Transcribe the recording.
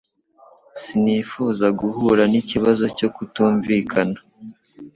Sinifuzaga guhura n'ikibazo cyo kutumvikana.